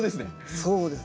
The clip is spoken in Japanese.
そうですね。